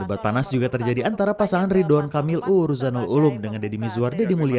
debat panas juga terjadi antara pasangan ridwan kamil u ruzanul ulum dengan deddy mizwar